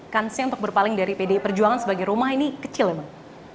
kansnya untuk berpaling dari pdi perjuangan sebagai rumah ini kecil ya bang